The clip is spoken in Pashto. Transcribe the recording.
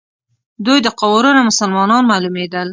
دوی د قوارو نه مسلمانان معلومېدل.